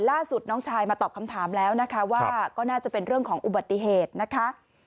น้องชายมาตอบคำถามแล้วนะคะว่าก็น่าจะเป็นเรื่องของอุบัติเหตุนะคะ